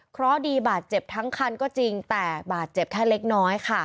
เพราะดีบาดเจ็บทั้งคันก็จริงแต่บาดเจ็บแค่เล็กน้อยค่ะ